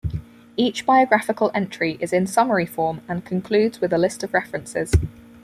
Each biographical entry is in summary form and concludes with a list of references.